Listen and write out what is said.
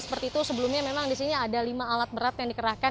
seperti itu sebelumnya memang di sini ada lima alat berat yang dikerahkan